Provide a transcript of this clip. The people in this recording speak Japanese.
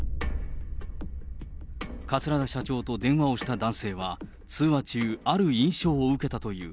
桂田社長と電話をした男性は、通話中、ある印象を受けたという。